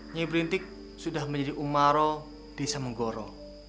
nyai berintik sudah menjadi ummaro desa menggoro